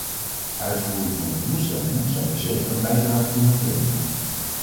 Uitvoering van de doelstellingen zal hier zeker een bijdrage toe moeten leveren.